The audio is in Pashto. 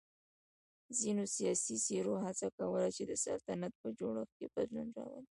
ځینو سیاسی څېرو هڅه کوله چې د سلطنت په جوړښت کې بدلون راولي.